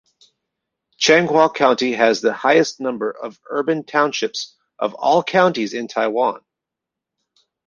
Changhua County has the highest number of urban townships of all counties in Taiwan.